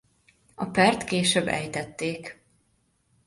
A pert később ejtették.